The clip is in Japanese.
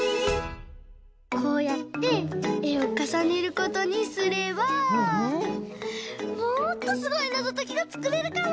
こうやってえをかさねることにすればもっとすごいなぞときがつくれるかも！